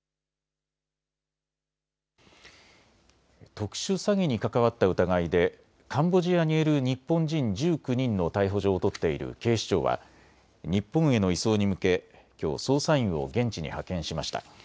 特殊詐欺に関わった疑いでカンボジアにいる日本人１９人の逮捕状を取っている警視庁は日本への移送に向けきょう捜査員を現地に派遣しました。